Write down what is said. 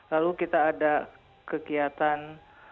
lalu kita ada kegiatan